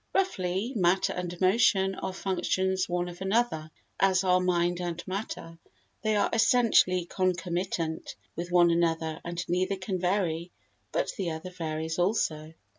Roughly, matter and motion are functions one of another, as are mind and matter; they are essentially concomitant with one another, and neither can vary but the other varies also.